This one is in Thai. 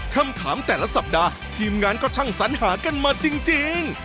คำถามแต่ละสัปดาห์ทีมงานก็ช่างสัญหากันมาจริง